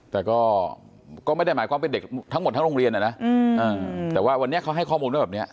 แต่ก็ไม่ได้หมายความเป็นเด็กทั้งหมดทั้งโรงเรียนนะแต่ว่าวันนี้เขาให้ข้อมูลว่าแบบนี้